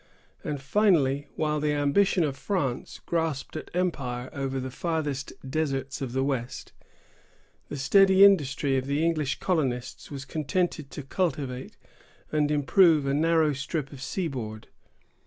And finally while the ambition of France grasped at empire over the farthest deserts of the west, the steady industry of the English colonists was contented to cultivate and improve a narrow strip of seaboard.